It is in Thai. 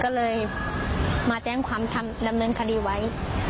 ก็เลยมาแจ้งความทำดำเนินคดีไว้